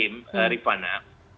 pak nadiem rifana